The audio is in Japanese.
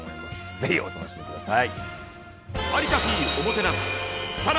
ぜひお楽しみ下さい。